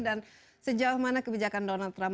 dan sejauh mana kebijakan donald trump